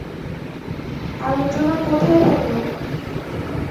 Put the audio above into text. আলোচনা কোথায় হলো?